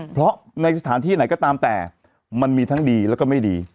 เพราะในสถานที่ไหนก็ตามแต่มันมีทั้งดีแล้วก็ไม่ดี